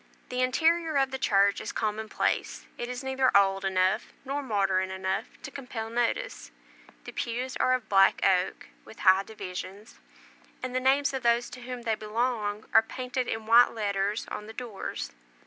The interior of the church is commonplace; it is neither old enough nor modern enough to compel notice. The pews are of black oak, with high divisions; and the names of those to whom they belong are painted in white letters on the doors.